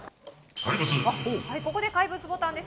ここで怪物ボタンです